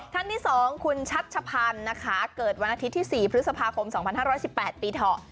ท่านที่๒คุณชัชพันธ์นะคะเกิดวันอาทิตย์ที่๔พฤษภาคม๒๕๑๘ปีเถาะ